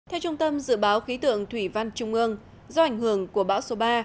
theo trung tâm dự báo khí tượng thủy văn trung ương do ảnh hưởng của bão số ba